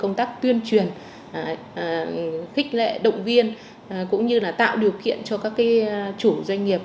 công tác tuyên truyền khích lệ động viên cũng như là tạo điều kiện cho các chủ doanh nghiệp